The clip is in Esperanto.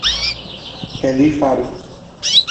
Ke li faru.